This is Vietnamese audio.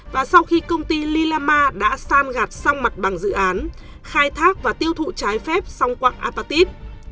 và sau khi công ty lilama đã san gạt xong mặt bằng dự án khai thác và tiêu thụ trái phép song quạng apatit